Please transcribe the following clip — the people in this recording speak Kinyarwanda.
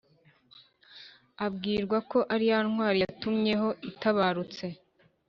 abwirwa ko ariyantwari yatumyeho itabarutse